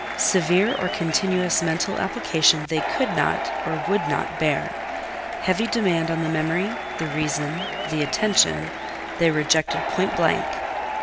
Severe or continuous mental application they could not, or would not, bear: heavy demand on the memory, the reason, the attention, they rejected point blank.